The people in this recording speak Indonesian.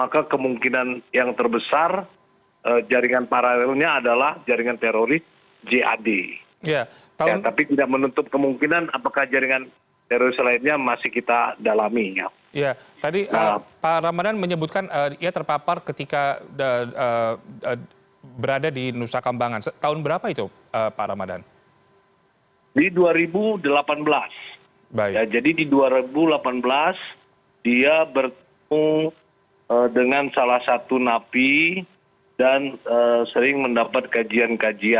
kami akan mencari penangkapan teroris di wilayah hukum sleman